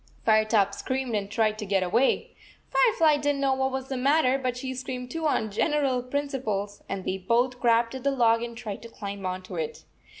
Firetop screamed and tried to get away. Firefly did n t know what was the matter, but she screamed too on general principles, and they both grabbed at the log and tried to climb on to it.